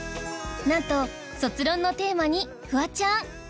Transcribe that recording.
なんと卒論のテーマにフワちゃん